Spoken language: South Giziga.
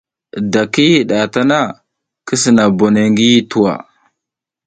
Da ki yih ɗa ta na, ki sina bonoy ngi yih tuwa.